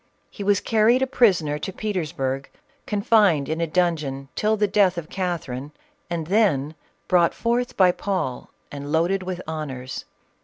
He was carried a prisoner to Petersburg, confined in a dungeon till the death of Catherine, and then brought forth by Paul and loaded with honors.